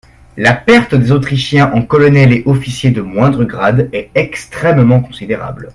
La perte des Autrichiens en colonels et officiers de moindre grade, est extrêmement considérable.